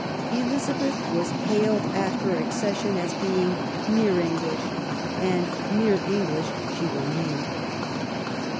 Elizabeth was hailed at her accession as being " mere English "; and " mere English " she remained.